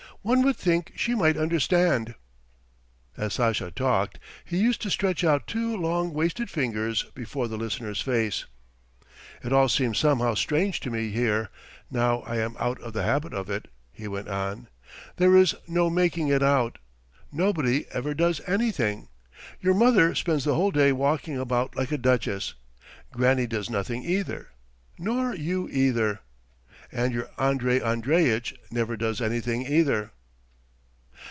One would think she might understand." As Sasha talked, he used to stretch out two long wasted fingers before the listener's face. "It all seems somehow strange to me here, now I am out of the habit of it," he went on. "There is no making it out. Nobody ever does anything. Your mother spends the whole day walking about like a duchess, Granny does nothing either, nor you either. And your Andrey Andreitch never does anything either."